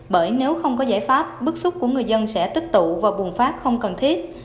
bởi nếu không có giải pháp bức xúc của người dân sẽ tích tụ và bùng phát không cần thiết